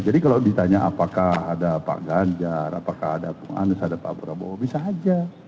jadi kalau ditanya apakah ada pak ganjar apakah ada pak punganes ada pak prabowo bisa aja